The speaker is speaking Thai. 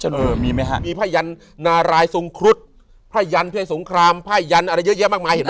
เออมีไหมฮะมีผ้ายันนารายทรงครุฑผ้ายันเพศสงครามผ้ายันอะไรเยอะแยะมากมายเห็นไหม